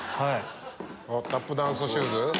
タップダンスシューズ？